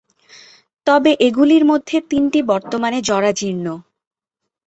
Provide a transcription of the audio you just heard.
তবে এগুলির মধ্যে তিনটি বর্তমানে জরাজীর্ণ।